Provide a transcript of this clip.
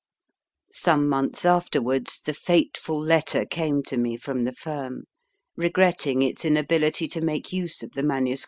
Some months afterwards, the fate ful letter came to me from the firm. regretting its inability to make use of the MS.